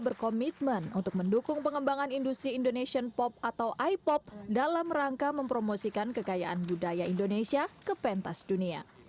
pembangunan industri indonesian pop atau i pop dalam rangka mempromosikan kekayaan budaya indonesia ke pentas dunia